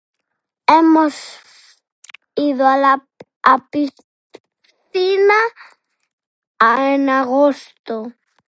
Hemos ido a la a piscina en agosto.